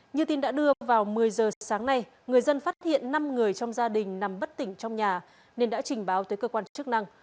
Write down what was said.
như tin đã đưa vào một mươi giờ sáng nay người dân phát hiện năm người trong gia đình nằm bất tỉnh trong nhà nên đã trình báo tới cơ quan chức năng